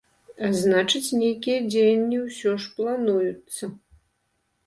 А значыць, нейкія дзеянні ўсё ж плануюцца.